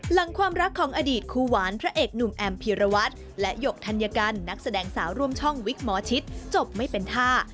หลังความรักของอดีตคู่หวานพระเอกหนุ่มแอมพีรวัตรและหยกธัญกันนักแสดงสาวร่วมช่องวิกหมอชิตจบไม่เป็นท่า